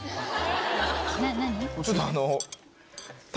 ちょっとあの。